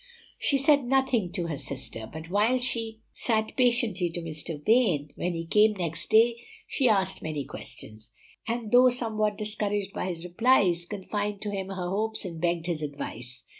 She said nothing to her sister, but while she sat patiently to Mr. Vane when he came next day, she asked many questions; and though somewhat discouraged by his replies, confided to him her hopes and begged his advice.